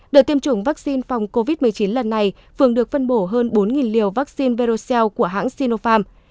đợt tiêm chủng vaccine phòng covid một mươi chín lần này phường được phân bổ hơn bốn liều vaccine veroxel của hãng sinopharm